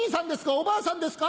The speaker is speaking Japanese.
おばあさんですか？